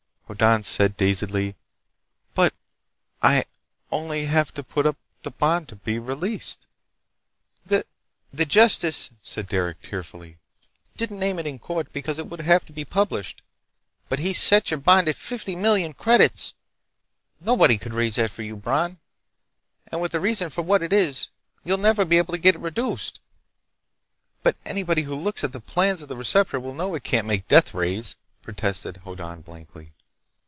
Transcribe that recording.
Hoddan said dazedly: "But I only have to put up a bond to be released!" "The ... the justice," said Derec tearfully, "didn't name it in court, because it would have to be published. But he's set your bond at fifty million credits! Nobody could raise that for you, Bron! And with the reason for it what it is, you'll never be able to get it reduced." "But anybody who looks at the plans of the receptor will know it can't make deathrays!" protested Hoddan blankly.